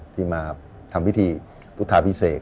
ที่มาทำพิธีพุทธาพิเศษ